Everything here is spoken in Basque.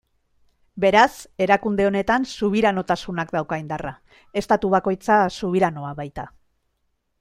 Beraz, erakunde honetan subiranotasunak dauka indarra, estatu bakoitza subiranoa baita.